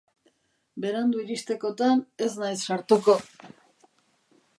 Berandu iristekotan, ez naiz sartuko.